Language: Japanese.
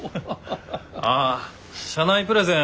ああ社内プレゼン